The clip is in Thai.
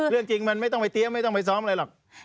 เรื่องจริงมันไม่ต้องไปเตี้ยไม่ต้องไปซ้อมอะไรหรอก